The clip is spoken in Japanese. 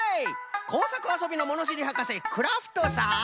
工作あそびのものしりはかせクラフトさ！